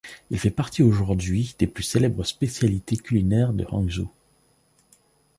Il fait partie aujourd'hui des plus célèbres spécialités culinaires de Hangzhou.